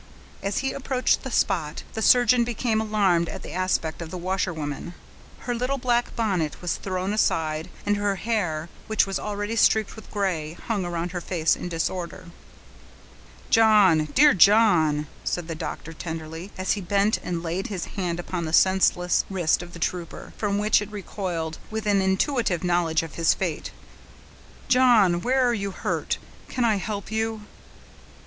As he approached the spot, the surgeon became alarmed at the aspect of the washerwoman. Her little black bonnet was thrown aside, and her hair, which was already streaked with gray, hung around her face in disorder. "John! dear John!" said the doctor, tenderly, as he bent and laid his hand upon the senseless wrist of the trooper, from which it recoiled with an intuitive knowledge of his fate. "John! where are you hurt?—can I help you?"